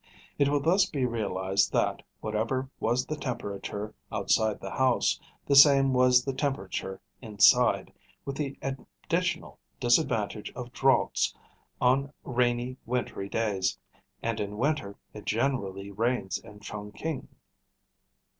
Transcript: It will thus be realised that, whatever was the temperature outside the house, the same was the temperature inside, with the additional disadvantage of draughts on rainy, wintry days; and in winter it generally rains in Chungking.